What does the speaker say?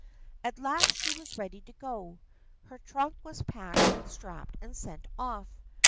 At last she was ready to go. Her trunk was packed and strapped and sent off.